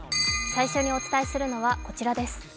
最初にお伝えするのはこちらです。